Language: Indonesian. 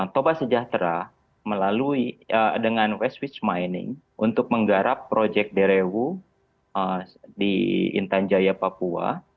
toba sejahtera melalui dengan west switch mining untuk menggarap proyek derewu di intan jaya papua